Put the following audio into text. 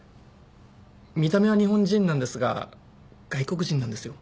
見た目は日本人なんですが外国人なんですよ